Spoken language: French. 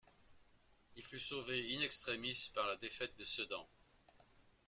Il fut sauvé in extremis par la défaite de Sedan.